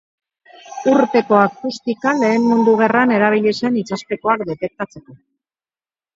Urpeko akustika Lehen Mundu Gerran erabili zen itsaspekoak detektatzeko.